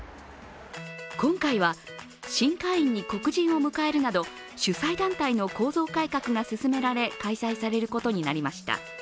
今回は、新会員に黒人を迎えるなど主催団体の構造改革が進められ、開催されることになりました。